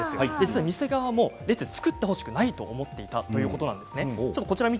店側も列を作ってほしくないと思っていたということです。